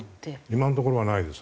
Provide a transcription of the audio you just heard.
今のところはないです